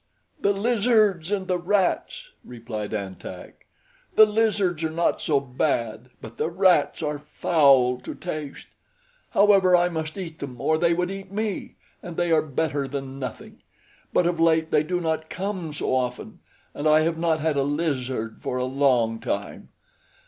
"The lizards and the rats," replied An Tak. "The lizards are not so bad; but the rats are foul to taste. However, I must eat them or they would eat me, and they are better than nothing; but of late they do not come so often, and I have not had a lizard for a long time.